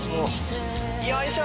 よいしょ